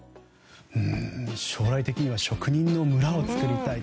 将来的には日本に職人の村を作りたい。